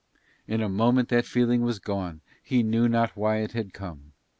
In a moment that feeling was gone he knew not why it had come.